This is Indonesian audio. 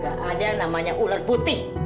gak ada namanya ular putih